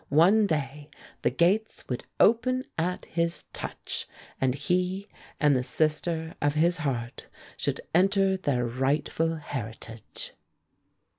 One day the gates would open at his touch, and he and the sister of his heart should enter their rightful heritage.